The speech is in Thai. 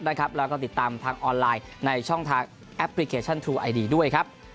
แล้วก็ติดตามทางออนไลน์ในช่องทางแอปพลิเคชันทรูไอดีด้วยครับ